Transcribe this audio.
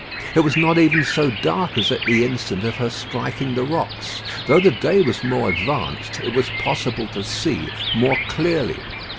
It was not even so dark as at the instant of her striking the rocks. Though the day was more advanced, it was possible to see more clearly.